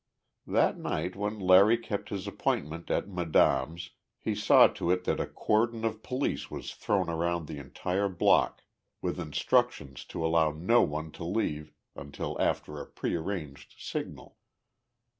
That night when Larry kept his appointment at madame's he saw to it that a cordon of police was thrown around the entire block, with instructions to allow no one to leave until after a prearranged signal.